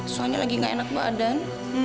soalnya lagi gak enak badan